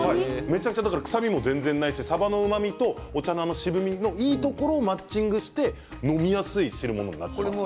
臭み全然ないし、さばのうまみとお茶の渋みのいいところマッチングして飲みやすい汁物になっています。